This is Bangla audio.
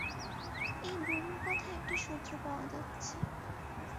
এই বুড়োর কথায় একটা সূত্র পাওয়া যাচ্ছে।